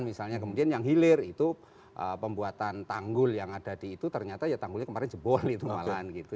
misalnya kemudian yang hilir itu pembuatan tanggul yang ada di itu ternyata ya tanggulnya kemarin jebol itu malahan gitu